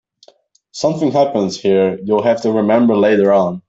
Something happens here you'll have to remember later on.